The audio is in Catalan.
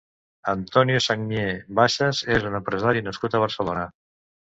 Antonio Sagnier Bassas és un empresari nascut a Barcelona.